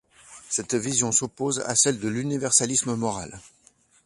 Cette vision s'oppose à celle de l'universalisme moral.